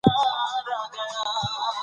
تاسو د خپلو لوبو وسایل په سمه توګه وساتئ.